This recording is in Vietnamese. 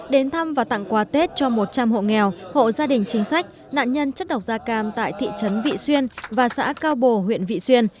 đến thăm và tặng quà tết cho một trăm linh hộ nghèo hộ gia đình chính sách nạn nhân chất độc da cam tại thị trấn vị xuyên và xã cao bồ huyện vị xuyên